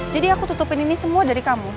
jadi aku tutupin ini semua dari kamu